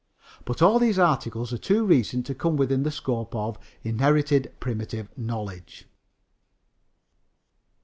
But all these articles are too recent to come within the scope of inherited primitive knowledge.